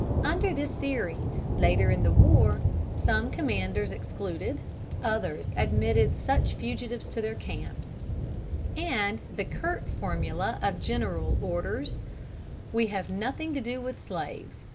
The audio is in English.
Under this theory, later in the war, some commanders excluded, others admitted such fugitives to their camps; and the curt formula of General Orders, "We have nothing to do with slaves.